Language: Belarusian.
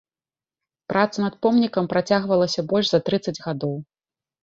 Праца над помнікам працягвалася больш за трыццаць гадоў.